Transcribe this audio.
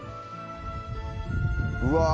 「うわ！」